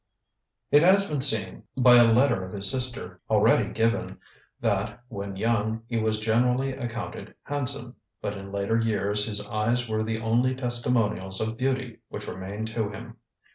] "It has been seen, by a letter of his sister already given, that, when young, he was generally accounted handsome; but in later years his eyes were the only testimonials of beauty which remained to him.